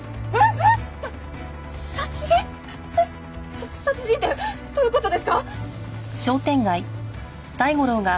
さ殺人ってどういう事ですか！？